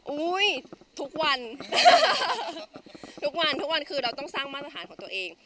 ทุกวันทุกวันทุกวันคือเราต้องสร้างมาตรฐานของตัวเอง